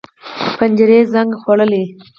پنجرې زنګ خوړلي